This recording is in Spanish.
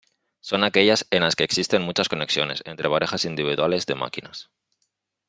Son aquellas en las que existen muchas conexiones entre parejas individuales de máquinas.